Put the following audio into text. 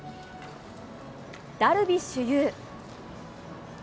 ダルビッシュ有。